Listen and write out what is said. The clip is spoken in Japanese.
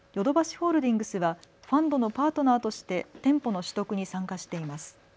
ホールディングスはファンドのパートナーとして店舗の取得に参加しています。